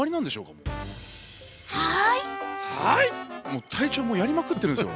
もう隊長もやりまくってるんですよ。